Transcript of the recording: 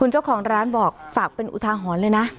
เจ้าของร้านบอกฝากเป็นอุทาหรณ์เลยนะ